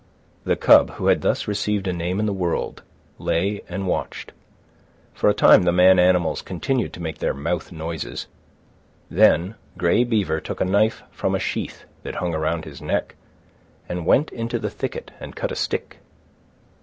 The cub, who had thus received a name in the world, lay and watched. For a time the man animals continued to make their mouth noises. Then Grey Beaver took a knife from a sheath that hung around his neck, and went into the thicket and cut a stick.